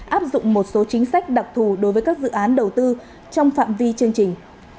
áp dụng một số chính sách đặc thù đối với các dự án đầu tư trong phạm vi chương trình